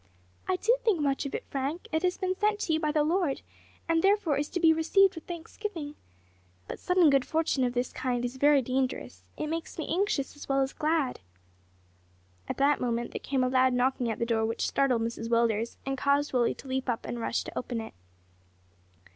"I do think much of it, Frank; it has been sent to you by the Lord, and therefore is to be received with thanksgiving. But sudden good fortune of this kind is very dangerous. It makes me anxious as well as glad." At that moment there came a loud knocking at the door, which startled Mrs Willders, and caused Willie to leap up and rush to open it.